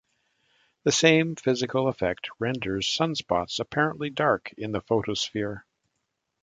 The same physical effect renders sunspots apparently dark in the photosphere.